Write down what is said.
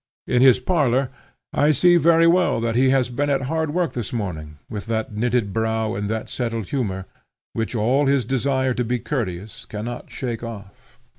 In his parlor I see very well that he has been at hard work this morning, with that knitted brow and that settled humor, which all his desire to be courteous cannot shake off.